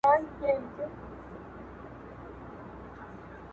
اوښکي ساتمه ستا راتلو ته تر هغې پوري.